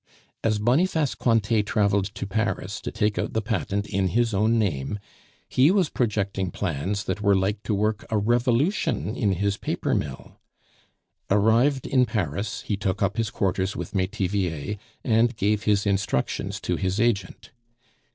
As Boniface Cointet traveled to Paris to take out the patent in his own name, he was projecting plans that were like to work a revolution in his paper mill. Arrived in Paris, he took up his quarters with Metivier, and gave his instructions to his agent.